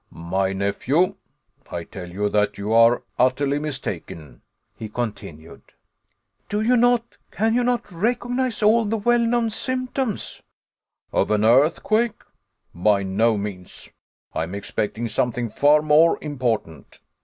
"My nephew, I tell you that you are utterly mistaken," he continued. "Do you not, can you not, recognize all the well known symtons " "Of an earthquake? By no means. I am expecting something far more important."